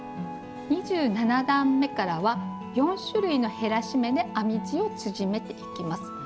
２７段めからは４種類の減らし目で編み地を縮めていきます。